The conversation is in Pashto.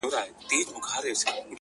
چي زموږ څه واخله دا خيرن لاســـــونه؛